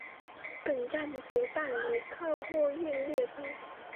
本站不办理客货运列车。